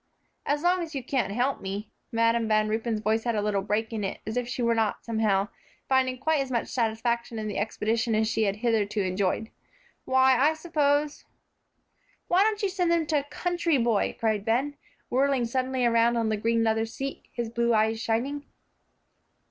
"And as long as you can't help me," Madam Van Ruypen's voice had a little break in it, as if she were not, somehow, finding quite as much satisfaction in the expedition as she had hitherto enjoyed, "why, I suppose " "Why don't you send them to a country boy?" cried Ben, whirling suddenly around on the green leather seat, his blue eyes shining.